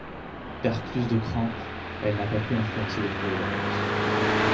Percluse de crampes, elle n'a pas pu influencer le cours de la course.